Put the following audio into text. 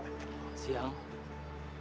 selamat siang pak